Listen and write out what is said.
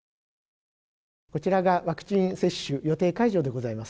こちらがワクチン接種予定会場でございます。